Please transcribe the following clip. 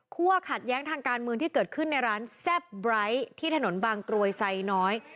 ขัดแย้งทางการเมืองที่เกิดขึ้นในร้านแซ่บไร้ที่ถนนบางกรวยไซน้อย